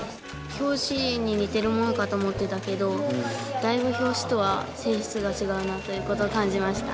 拍子に似てるものかと思ってたけどだいぶ拍子とは性質が違うなということを感じました。